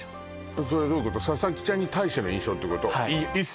それどういうこと佐々木ちゃんに対しての印象ってこと？